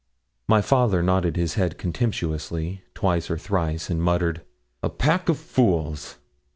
My father nodded his head contemptuously, twice or thrice, and muttered, 'A pack of fools!'